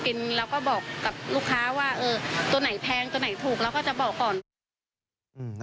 ตัวไหนแพงตัวไหนถูกเราก็จะบอกก่อน